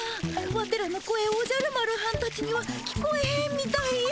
ワテらの声おじゃる丸はんたちには聞こえへんみたいや。